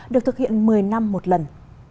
được thực hiện một mươi năm một lần